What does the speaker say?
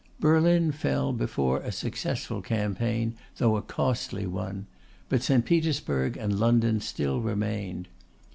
Berlin fell before a successful campaign, though a costly one; but St. Petersburg and London still remained.